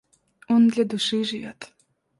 Он для души живет.